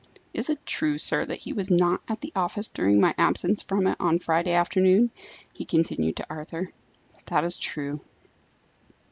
Is it true, sir, that he was not at the office during my absence from it on Friday afternoon?" he continued to Arthur. "That is true."